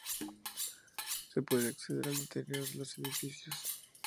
Se puede acceder al interior de los edificios.